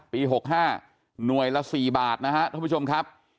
ปี๖๕หน่วยละ๔บาทนะครับท่านผู้ชมครับ